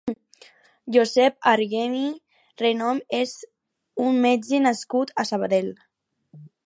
Josep Argemí Renom és un metge nascut a Sabadell.